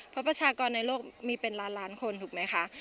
เพราะประชากรในโลกมีเป็นล้านล้านคนถูกไหมคะ